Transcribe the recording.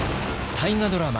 大河ドラマ